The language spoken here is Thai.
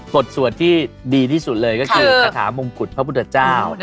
สวดที่ดีที่สุดเลยก็คือคาถามงกุฎพระพุทธเจ้า